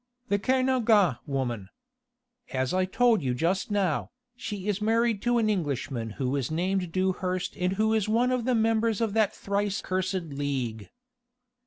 "The Kernogan woman. As I told you just now, she is married to an Englishman who is named Dewhurst and who is one of the members of that thrice cursed League."